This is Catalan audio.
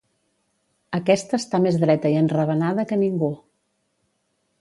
Aquesta està més dreta i enravenada que ningú.